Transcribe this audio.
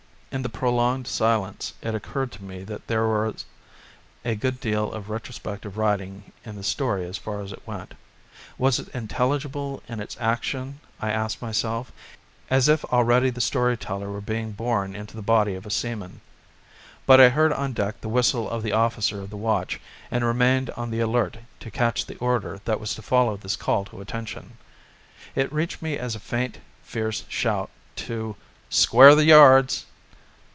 In the prolonged silence it occurred to me that there was a good deal of retrospective writing in the story as far as it went. Was it intelligible in its action, I asked myself, as if already the story teller were being born into the body of a seaman. But I heard on deck the whistle of the officer of the watch and remained on the alert to catch the order that was to follow this call to attention. It reached me as a faint, fierce shout to "Square the yards."